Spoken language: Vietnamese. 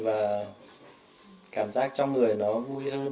và cảm giác trong người nó vui hơn